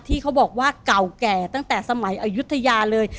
เขาบอกว่าเก่าแก่ตั้งแต่สมัยอายุทยาเลย